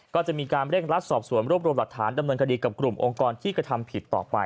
ก็จะมีการเร่งรัดสอบสวนรวบรวมหลักฐานดำเนินคดีกับกลุ่มองค์กรที่กระทำผิดต่อไป